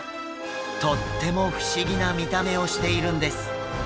とっても不思議な見た目をしているんです。